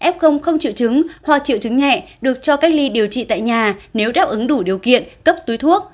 f không triệu chứng hoặc triệu chứng nhẹ được cho cách ly điều trị tại nhà nếu đáp ứng đủ điều kiện cấp túi thuốc